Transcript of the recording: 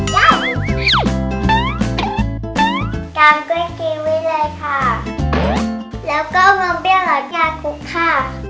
แล้วก็เงินเบี้ยหลอดอย่างกรุ๊กค่ะ